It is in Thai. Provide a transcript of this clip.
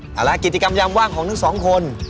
ภารกิจยามว่างของทั้งสองคน